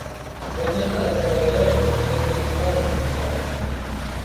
Protesta das traballadoras de residencias privadas en Santiago.